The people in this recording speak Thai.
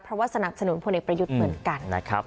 เพราะว่าสนับสนุนพลเอกประยุทธ์เหมือนกันนะครับ